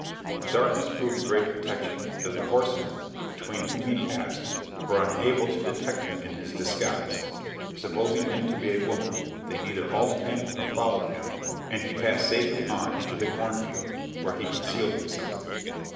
The darkness proved a great protection, as the horsemen, between whom he passed, were unable to detect him in his disguise; supposing him to be a woman, they neither halted him nor followed him, and he passed safely on into the corn field, where he concealed himself.